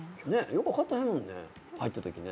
よく分かってないもんね入ったときね。